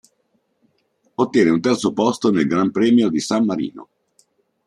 Ottiene un terzo posto nel Gran Premio di San Marino.